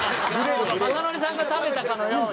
雅紀さんが食べたかのように。